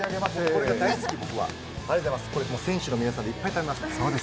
これ、選手の皆さんといっぱい食べます。